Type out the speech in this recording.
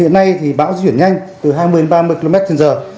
hiện nay thì bão di chuyển nhanh từ hai mươi ba mươi km trên giờ